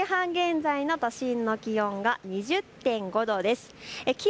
午後６時半現在の都心の気温が２０．５度です。